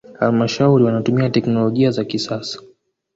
halmashauri wanatumia teknolojia za kisasa